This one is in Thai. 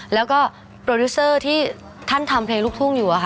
แล้วก็โปรดิวเซอร์ที่ท่านทำเพลงลูกทุ่งอยู่